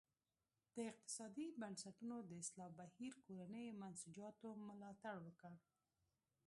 د اقتصادي بنسټونو د اصلاح بهیر کورنیو منسوجاتو ملاتړ وکړ.